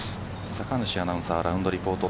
酒主アナウンサーラウンドリポート。